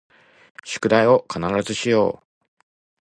宿題を必ずしよう